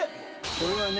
これはね